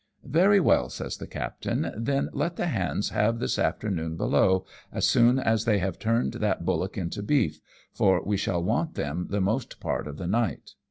" Very well," says the captain, " then let the hands have this afternoon below, as soon as they have turned that bullock into beef, for we shall want them the most part of the night."